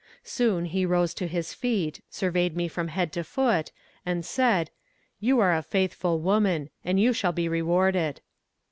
Soon he rose to his feet, surveyed me from head to foot, and said, "You are a faithful woman, and you shall be rewarded."